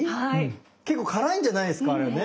結構辛いんじゃないすかあれね。